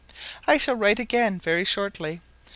I shall write again very shortly.